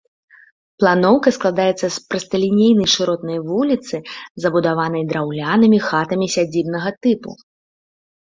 Планоўка складаецца з прасталінейнай шыротнай вуліцы, забудаванай драўлянымі хатамі сядзібнага тыпу.